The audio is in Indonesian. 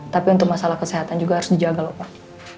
tapi untuk masalah kesehatan juga harus dijaga lho pak